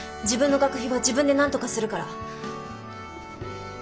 自分の学費は自分でなんとかするから。